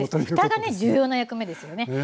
ふたがね重要な役目ですよね。